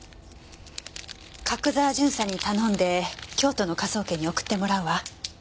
角沢巡査に頼んで京都の科捜研に送ってもらうわ。